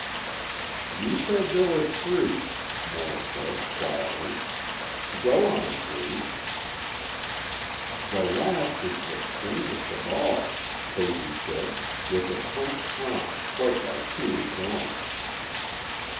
"You said there were three," Moore said, quietly, "go on, please." "The last is the strangest of all," Posy said, with a tense calm, quite like Keeley's own.